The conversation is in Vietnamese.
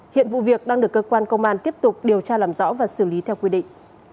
hiện vụ việc đang được cơ quan công an tiếp tục điều tra làm rõ và xử lý theo quy định